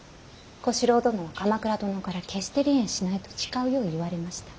小四郎殿は鎌倉殿から決して離縁しないと誓うよう言われました。